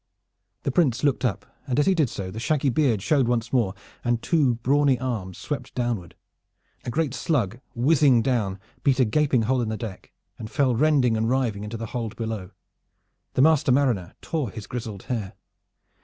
The Prince looked up, and as he did so the shaggy beard showed once more and two brawny arms swept downward. A great slug, whizzing down, beat a gaping hole in the deck, and fell rending and riving into the hold below. The master mariner tore his grizzled hair.